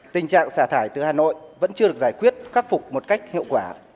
tình trạng xả thải từ hà nội vẫn chưa được giải quyết khắc phục một cách hiệu quả